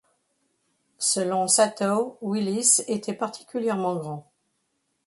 Selon Satow, Willis était particulièrement grand.